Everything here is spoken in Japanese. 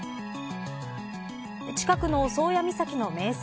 近くの宗谷岬の名産